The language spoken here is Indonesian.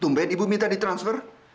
tumpahnya ibu minta di transfer